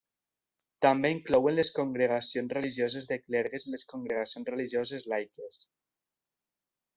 També inclouen les congregacions religioses de clergues i les congregacions religioses laiques.